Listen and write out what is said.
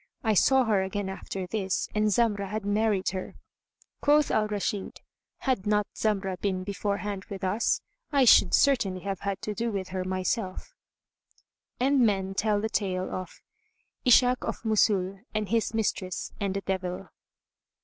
I saw her again after this, and Zamrah had married her. Quoth Al Rashid, "Had not Zamrah been beforehand with us, I should certainly have had to do with her myself."[FN#167] And men tell the tale of ISHAK OF MOSUL AND HIS MISTRESS AND THE DEVIL.